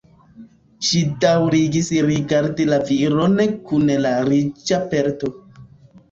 Ŝi daŭrigis rigardi la viron kun la riĉa pelto.